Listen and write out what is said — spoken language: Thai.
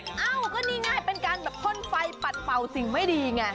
เอ้าก็นี่ง่ายเป็นการแบบพ่นไฟปัดเป่าสิ่งไม่ดีไง